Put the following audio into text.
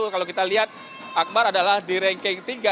kalau kita lihat akbar adalah di ranking tiga